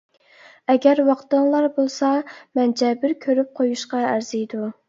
ئەگەر ۋاقتىڭلار بولسا، مەنچە بىر كۆرۈپ قويۇشقا ئەرزىيدۇ.